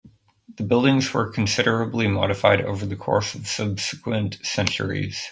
The buildings were considerably modified over the course of subsequent centuries.